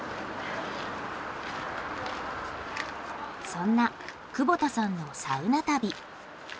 そんな窪田さんのサウナ旅。